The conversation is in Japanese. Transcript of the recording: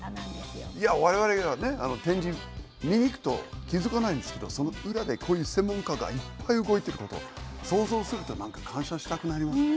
いや我々がね展示見に行くと気付かないんですけどその裏でこういう専門家がいっぱい動いてること想像すると何か感謝したくなりますね。